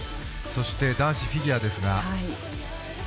男子フィギュアですが。